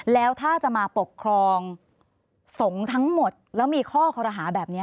แล้วถ้าจะมาปกครองสงฆ์ทั้งหมดแล้วมีข้อคอรหาแบบนี้